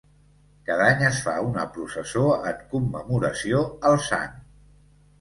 Cada any es fa una processó en commemoració al Sant.